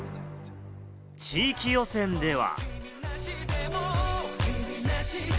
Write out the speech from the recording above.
地域予選では。